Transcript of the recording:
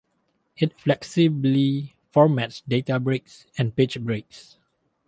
It flexibly formats data breaks and page breaks.